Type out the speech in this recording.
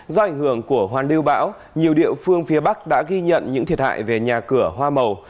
do ảnh hưởng của hoàn lưu bão nhiều địa phương phía bắc đã ghi nhận những thiệt hại về nhà cửa hoa màu